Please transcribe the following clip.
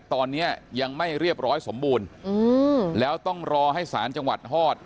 ตอนนี้ยังไม่เรียบร้อยสมบูรณ์แล้วต้องรอให้สารจังหวัดฮอด